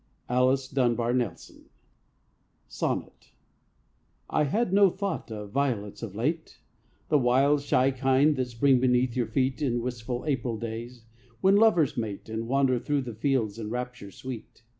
Alice Dunbar Nelson SONNET I had no thought of violets of late, The wild, shy kind that spring beneath your feet In wistful April days, when lovers mate And wander through the fields in raptures sweet.